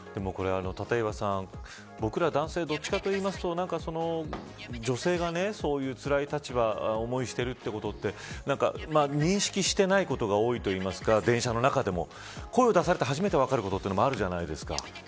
でも、これ立岩さん僕ら男性はどちらかと言いますと女性が、そういうつらい立場思いをしているということって認識していないことが多いといいますか、電車の中でも。声を出されて初めて分かることもあるじゃないですか。